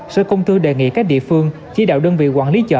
sở công thương tp hcm đề nghị các địa phương chỉ đạo đơn vị quản lý chợ